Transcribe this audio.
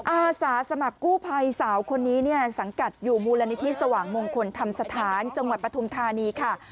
อาสาสมัครกู้ภัยสาวคนนี้เนี่ยสังกัดอยู่มูลนิธิสว่างมงคลธรรมสถานจังหวัดปฐุมธานีค่ะ